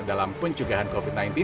dalam pencegahan covid sembilan belas